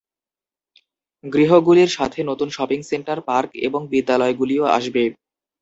গৃহগুলির সাথে নতুন shopping centre, park এবং বিদ্যালয়গুলিও আসবে।